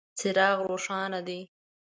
څراغ روښانه دی .